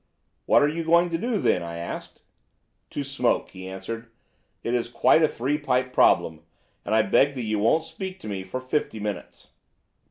"What are you going to do, then?" I asked. "To smoke," he answered. "It is quite a three pipe problem, and I beg that you won't speak to me for fifty minutes."